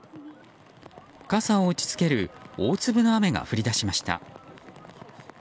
傘を打ち付ける大粒の雨が降り出しました。